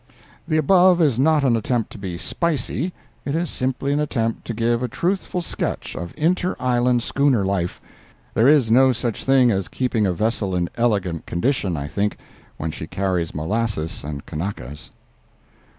The above is not an attempt to be spicy—it is simply an attempt to give a truthful sketch of inter island schooner life. There is no such thing as keeping a vessel in elegant condition, I think, when she carries molasses and Kanakas.